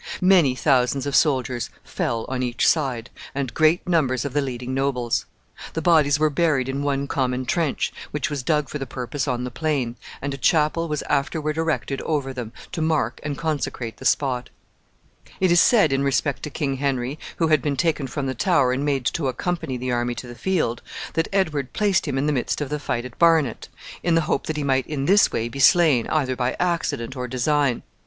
Many thousands of soldiers fell on each side, and great numbers of the leading nobles. The bodies were buried in one common trench, which was dug for the purpose on the plain, and a chapel was afterward erected over them, to mark and consecrate the spot. It is said in respect to King Henry, who had been taken from the Tower and made to accompany the army to the field, that Edward placed him in the midst of the fight at Barnet, in the hope that he might in this way be slain, either by accident or design.